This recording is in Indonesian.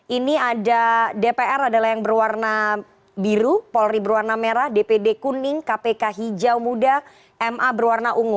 ini ada dpr adalah yang berwarna biru polri berwarna merah dpd kuning kpk hijau muda ma berwarna ungu